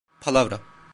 Palavra.